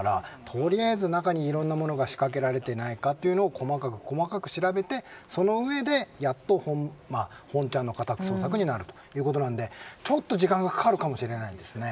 とりあえず中にいろんなものが仕掛けられてないか細かく細かく調べてそのうえで、やっと本チャンの家宅捜索になるということなのでちょっと時間がかかるかもしれないですね。